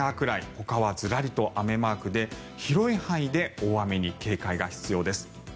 ほかはずらりと雨マークで広い範囲で大雨に警戒が必要です。